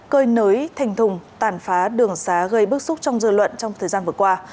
cơi nới thành thùng tàn phá đường xá gây bức xúc trong dư luận trong thời gian vừa qua